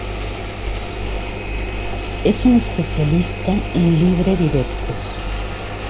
Es un especialista en libre directos.